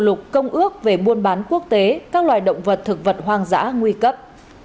ước về buôn bán quốc tế các loài động vật thực vật hoang dã nguy cấp